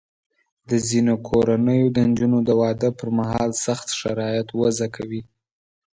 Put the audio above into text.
د ځینو کورنیو د نجونو د واده پر مهال سخت شرایط وضع کوي.